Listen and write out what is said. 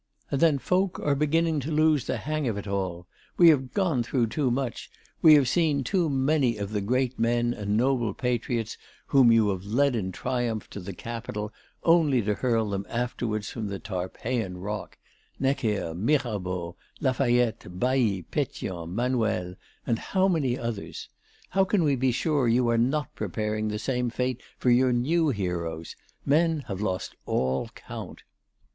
And then folk are beginning to lose the hang of it all. We have gone through too much, we have seen too many of the great men and noble patriots whom you have led in triumph to the Capitol only to hurl them afterwards from the Tarpeian rock, Necker, Mirabeau, La Fayette, Bailly, Pétion, Manuel, and how many others! How can we be sure you are not preparing the same fate for your new heroes?... Men have lost all count."